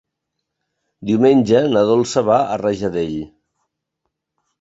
Diumenge na Dolça va a Rajadell.